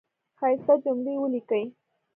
ښایسته جملی ولیکی